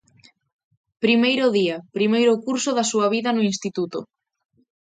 Primeiro día, primeiro curso da súa vida no instituto.